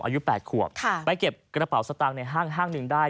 อายุ๘ขวบไปเก็บกระเป๋าสตางค์ในห้างหนึ่งได้